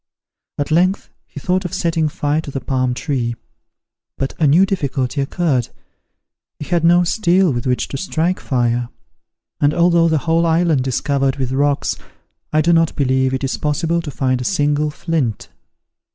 At length he thought of setting fire to the palm tree; but a new difficulty occurred: he had no steel with which to strike fire; and although the whole island is covered with rocks, I do not believe it is possible to find a single flint.